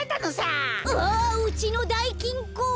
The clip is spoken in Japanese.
ああっうちのだいきんこ！